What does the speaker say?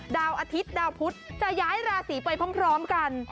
ดาวอาทิตย์ดาวพุธจะย้ายราศีไปพร้อมกัน